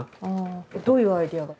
どういうアイデアが？